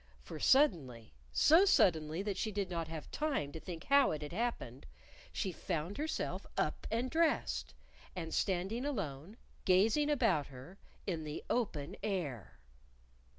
For suddenly so suddenly that she did not have time to think how it had happened she found herself up and dressed, and standing alone, gazing about her, _in the open air!